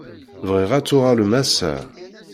Bɣiɣ ad tuɣalem ass-a.